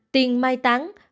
tiền mai tăng